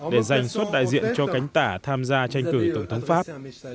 để giành xuất đại diện cho cánh tả tham gia tranh cử tổng thống pháp